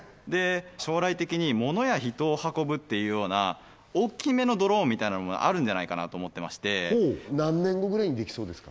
将来的に物や人を運ぶっていうような大きめのドローンみたいなものもあるんじゃないかなと思ってまして何年後ぐらいにできそうですか？